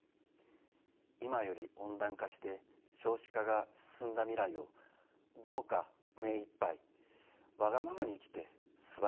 「今より温暖化して少子化が進んだ未来をどうか目いっぱいわがままに生きてすばらしい世界にしてください」。